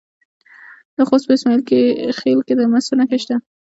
د خوست په اسماعیل خیل کې د مسو نښې شته.